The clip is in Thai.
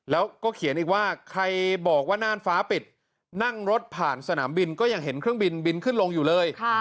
แล้วก็เขียนอีกว่าใครบอกว่าน่านฟ้าปิดนั่งรถผ่านสนามบินก็ยังเห็นเครื่องบินบินขึ้นลงอยู่เลย